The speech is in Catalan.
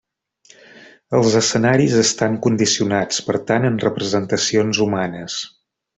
Els escenaris estan condicionats, per tant, en representacions humanes.